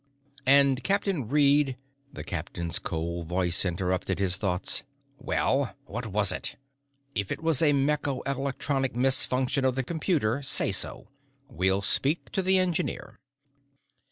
And Captain Reed The captain's cold voice interrupted his thoughts. "Well? What was it? If it was a mechano electronic misfunction of the computer, say so; we'll speak to the engineer."